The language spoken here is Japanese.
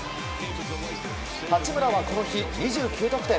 八村はこの日、２９得点。